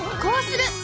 こうする！